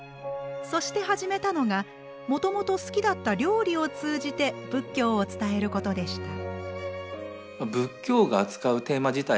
そして始めたのがもともと好きだった料理を通じて仏教を伝えることでした。